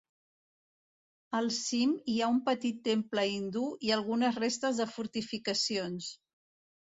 Al cim hi ha un petit temple hindú i algunes restes de fortificacions.